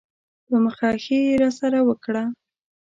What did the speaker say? په مخه ښې یې راسره وکړه.